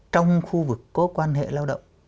trong khu vực có quan hệ lao động